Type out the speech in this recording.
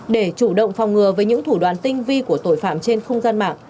để chủ động phòng ngừa với những thủ đoàn tinh vi của tội phạm trên không gian mạng